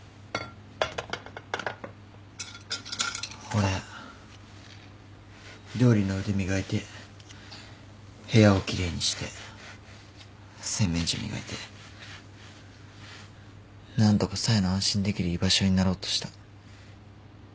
俺料理の腕磨いて部屋を奇麗にして洗面所磨いて何とか冴の安心できる居場所になろうとした。